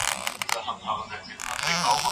د خلکو چلندونه توضیح کیږي.